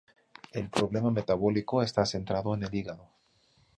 El problema metabólico está centrado en el hígado.